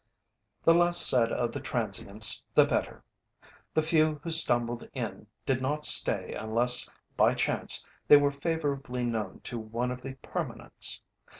The less said of the "transients" the better. The few who stumbled in did not stay unless by chance they were favourably known to one of the "permanents."